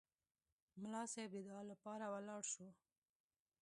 ملا صیب د دعا لپاره ولاړ شو.